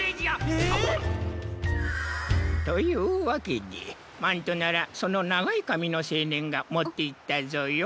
ええっ！？というわけでマントならそのながいかみのせいねんがもっていったぞよ。